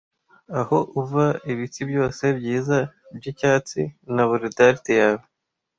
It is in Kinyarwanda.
Aho uva ibiti byose byiza byicyatsi na buri dart yawe